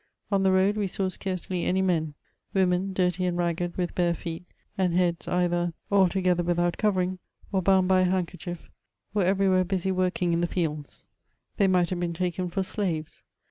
On the road, we saw scarcely any men ; women, dirty and ragged, with bare feet, and heads either alto 450 MEMOIBS OF gether without covering or bound by a handkerchief, were everywhere busy working in the fields ; they might have been taken for slaves.